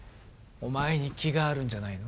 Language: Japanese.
お前に気があるんじゃないの？